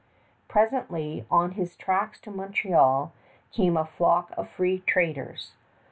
Presently, on his tracks to Montreal, came a flock of free traders.